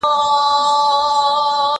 کېدای سي مېوې خراب وي!؟